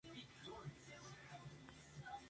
Integró numerosas misiones y delegaciones en el exterior.